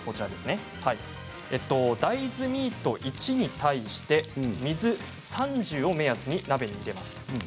大豆ミート１に対して水３０を目安に鍋に入れます。